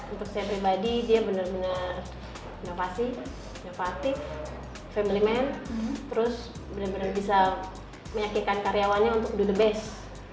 untuk saya pribadi dia benar benar inovasi inovatif family man terus benar benar bisa meyakinkan karyawannya untuk do the best